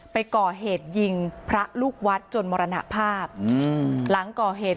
ไปก่อเหตุยิงพระลูกวัดจนมรณภาพอืมหลังก่อเหตุ